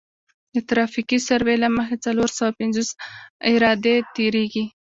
د ترافیکي سروې له مخې څلور سوه پنځوس عرادې تیریږي